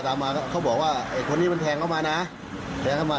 ตามมาเขาบอกว่าไอ้คนนี้มันแทงเข้ามานะแทงเข้ามา